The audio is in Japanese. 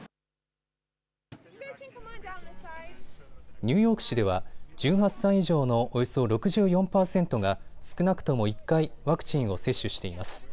ニューヨーク市では１８歳以上のおよそ６４％が少なくとも１回、ワクチンを接種しています。